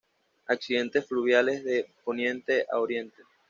Accidentes fluviales de poniente a oriente.